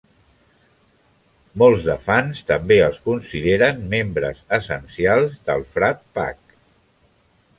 Molts de fans també els consideren membres essencials del "Frat Pack".